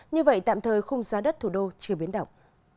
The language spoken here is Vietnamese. như vậy tạm thời khung giá đất thủ đô chưa biến động